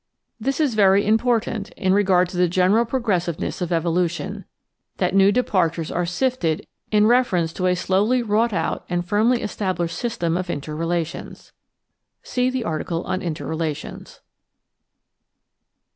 This is very important in regard to the general progressiveness of evolution — ^that new departures are sifted in reference to a slowly wrought out and firmly established system of inter relations. (See the article on Inter relations.)